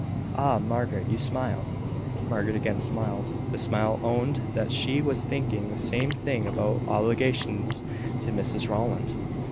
Ah! Margaret, you smile!" Margaret smiled again. The smile owned that she was thinking the same thing about their obligations to Mrs Rowland.